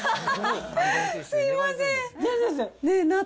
すみません。